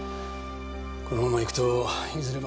このままいくといずれ